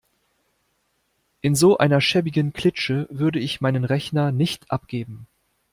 In so einer schäbigen Klitsche würde ich meinen Rechner nicht abgeben.